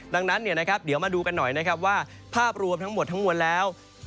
ดังนั้นเดี๋ยวมาดูกันหน่อยนะครับว่าภาพรวมทั้งหมดทั้งมวลแล้ว